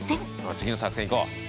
次の作戦いこう！